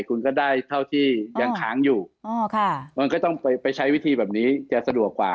คุณก็ได้เท่าที่ยังค้างอยู่มันก็ต้องไปใช้วิธีแบบนี้จะสะดวกกว่า